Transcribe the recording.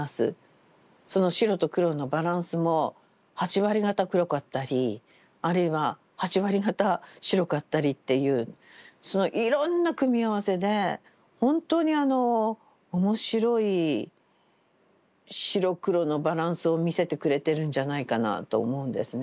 その白と黒のバランスも８割方黒かったりあるいは８割方白かったりっていうそのいろんな組み合わせでほんとに面白い白黒のバランスを見せてくれてるんじゃないかなと思うんですね。